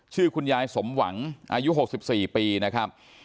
ชื่อคุณยายสมหวังอายุ๖๔ปีนะครับ